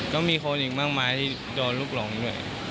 ก็มีคนอีกบ้างไหมที่โดนลูกหลงด้วย